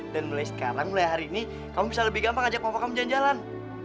dan mulai sekarang mulai hari ini kamu bisa lebih gampang ajak papa kamu jalan jalan